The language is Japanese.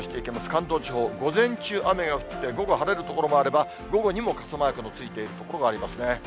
関東地方、午前中、雨が降って、午後晴れる所があれば、午後にも傘マークのついている所がありますね。